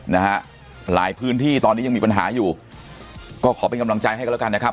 นะฮะหลายพื้นที่ตอนนี้ยังมีปัญหาอยู่ก็ขอเป็นกำลังใจให้กันแล้วกันนะครับ